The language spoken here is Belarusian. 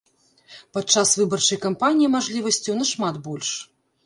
Падчас выбарчай кампаніі мажлівасцяў нашмат больш.